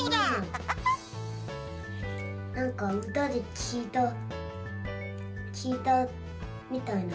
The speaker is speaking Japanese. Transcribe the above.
なんかうたできいたきいたみたいな。